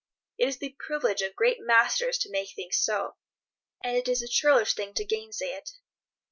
It is the privilege of great masters to make things so, and it is a churlish thing to gainsay it.